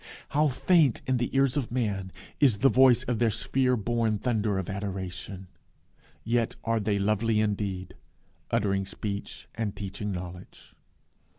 How faint in the ears of man is the voice of their sphere born thunder of adoration! Yet are they lovely indeed, uttering speech and teaching knowledge.